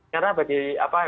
karena bagi apa ya